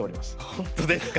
本当ですか？